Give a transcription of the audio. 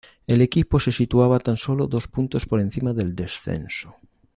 El equipo se situaba tan sólo dos puntos por encima del descenso.